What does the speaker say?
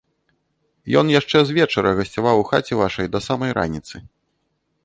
Ён яшчэ звечара гасцяваў у хаце вашай да самай раніцы.